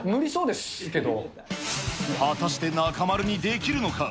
果たして中丸にできるのか。